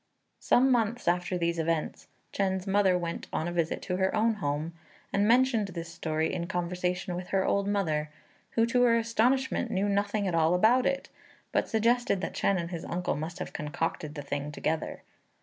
Some months after these events, Chên's mother went on a visit to her own home, and mentioned this story in conversation with her old mother, who, to her astonishment, knew nothing at all about it, but suggested that Chên and his uncle must have concocted the thing together.